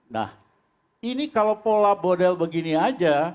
nah ini kalau pola bodel begini aja